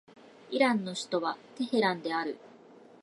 イランの首都はテヘランである